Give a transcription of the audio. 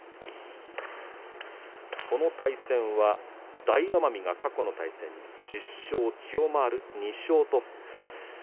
この対戦は大奄美が過去の対戦が大奄美が１０勝千代丸が２勝です。